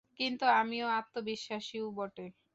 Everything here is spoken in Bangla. কিন্তু আমিও আত্মবিশ্বাসীও বটে।